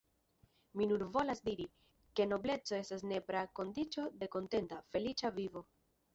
Mi nur volas diri, ke nobleco estas nepra kondiĉo de kontenta, feliĉa vivo.